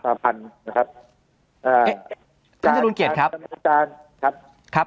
ประพันธ์นะครับอ่าท่านจรุงเกียรติครับครับ